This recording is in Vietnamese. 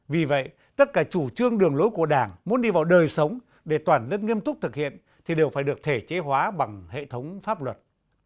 vì vậy tất cả chủ trương đường lối của đảng muốn đi vào đời sống để toàn dân nghiêm túc thực hiện thì đều phải được thể chế hóa bằng hệ thống pháp luật